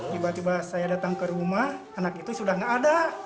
tiba tiba saya datang ke rumah anak itu sudah tidak ada